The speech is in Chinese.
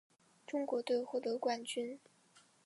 中国队获得冠军。